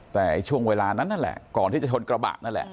แต่ช่วงเวลานั้นนั่นแหละก่อนที่จะชนกระบะนั่นแหละ